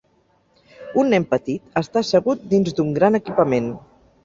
Un nen petit està assegut dins d'un gran equipament.